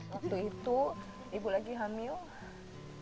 waktu itu ibu lagi hamil